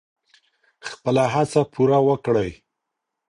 خپله هڅه پوره وکړئ.